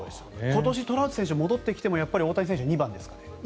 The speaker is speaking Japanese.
今年、トラウト選手が戻ってきても大谷選手が２番ですかね。